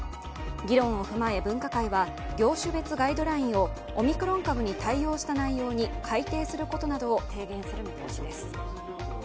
議論を踏まえ分科会は業種別ガイドラインをオミクロン株に対応した内容に改定することなどを提言する見通しです。